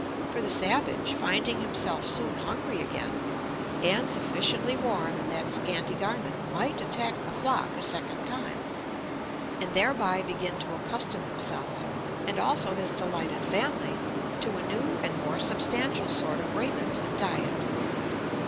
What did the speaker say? For the savage, finding himself soon hungry again, and insufficiently warm in that scanty garment, might attack the flock a second time, and thereby begin to accustom himself, and also his delighted family, to a new and more substantial sort of raiment and diet.